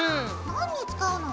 何に使うの？